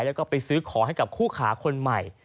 แล้วก็ไปซื้อของให้กับคู่ขาคนใหม่